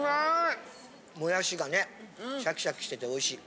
もやしがねシャキシャキしてておいしい。